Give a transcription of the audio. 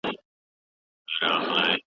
ولې نظم اړین دی؟